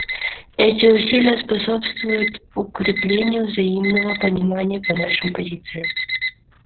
Эти усилия способствуют укреплению взаимного понимания по нашим позициям.